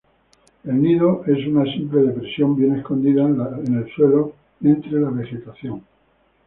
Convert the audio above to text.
El nido es una simple depresión bien escondida en el suelo, entre la vegetación.